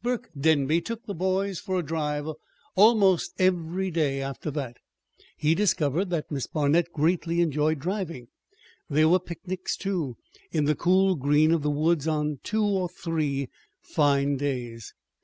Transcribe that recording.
Burke Denby took the boys for a drive almost every day after that. He discovered that Miss Barnet greatly enjoyed driving. There were picnics, too, in the cool green of the woods, on two or three fine days.